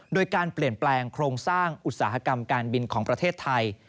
โดยการเปลี่ยนแปลงโครงสร้างอุตสาหกรรมการบินของประเทศไทย